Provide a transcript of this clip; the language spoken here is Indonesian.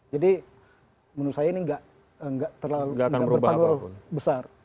jadi menurut saya ini nggak terlalu berpandu besar